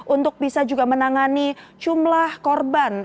untuk bisa juga menangani jumlah korban